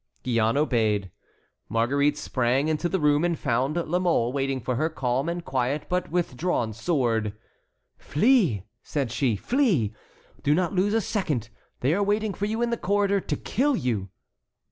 Gillonne obeyed. Marguerite sprang into the room and found La Mole waiting for her, calm and quiet, but with drawn sword. "Flee," said she, "flee. Do not lose a second. They are waiting for you in the corridor to kill you."